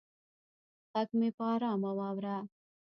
غږ مې په ارامه واوره